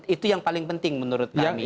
itu yang paling penting menurut kami